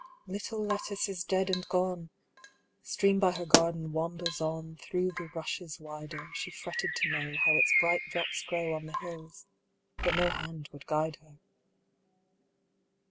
Little Lettice is dead and gone! The stream by her garden wanders onThrough the rushes wider; She fretted to knowHow its bright drops growOn the hills, but no hand would guide her.